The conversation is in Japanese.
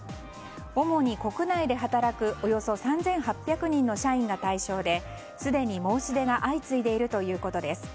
主に国内で働く３８００人の社員が対象ですでに申し出が相次いでいるということです。